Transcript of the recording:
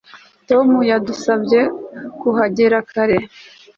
Tom yadusabye kuhagera kare